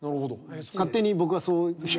勝手に僕がそう。